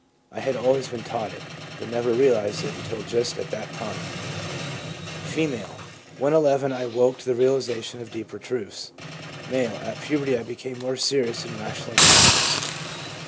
I had always been taught it, but never realised it until just at that time/ F. 'When n I awoke to the realisation of deeper truths/ M. 'At puberty I became more serious and rationally conscious.'